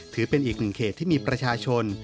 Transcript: ถือเป็นอีกหนึ่งเขตที่มีประชาชน